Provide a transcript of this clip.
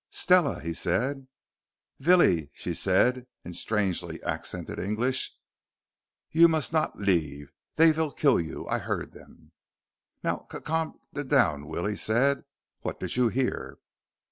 "Stella!" he said. "Villie," she said in strangely accented English, "you must not leave. They vill kill you. I heard them." "Now just c calm d down," Willie said. "What did you hear?"